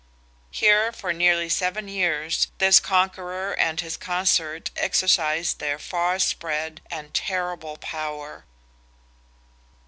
Here, for nearly seven years, this conqueror and his consort exercised their far spread and terrible power.